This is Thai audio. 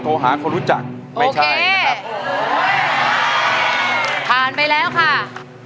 โทรหาคนรู้จักไม่ใช่นะครับผ่านไปแล้วค่ะ